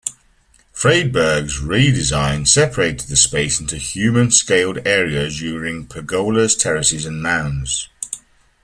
Friedberg's redesign separated the space into human scaled areas using pergolas, terraces and mounds.